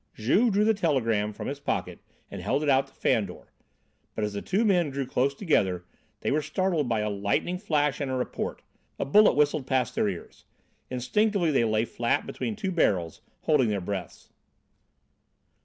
Juve drew the telegram from his pocket and held it out to Fandor, but as the two men drew close together, they were startled by a lightning flash, and a report. A bullet whistled past their ears. Instinctively they lay flat between two barrels, holding their breaths.